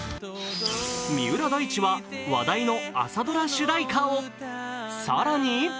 三浦大知は話題の朝ドラ主題歌を。